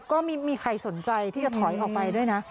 ก็ไม่มีใครสนใจที่จะถอยออกไปด้วยนะ